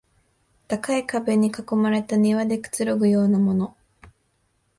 高い壁に囲まれた庭でくつろぐようなもの